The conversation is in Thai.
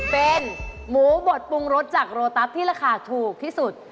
เป็นหมูบดปรุงรสจากโรตัสที่ราคาถูกที่สุด